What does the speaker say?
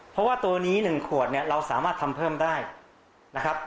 เพราะว่าตัวนี้๑ขวดเนี่ยเราสามารถทำเพิ่มได้นะครับ